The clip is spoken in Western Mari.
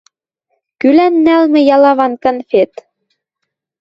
Кӱлӓн нӓлмӹ ялаван конфет.